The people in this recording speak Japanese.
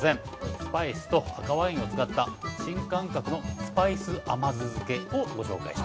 スパイスと赤ワインを使った新感覚のスパイス甘酢漬けをご紹介します。